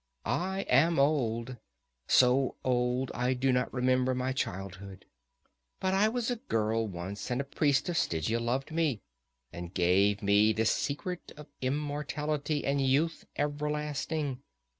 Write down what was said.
I am old, so old I do not remember my childhood. But I was a girl once, and a priest of Stygia loved me, and gave me the secret of immortality and youth everlasting.